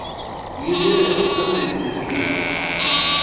Yidir ixeddem di tnedlist.